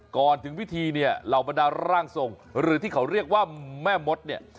ก่อนถึงพิธีเนี่ยเหล่าบรรดาร่างทรงหรือที่เขาเรียกว่าแม่มดเนี่ย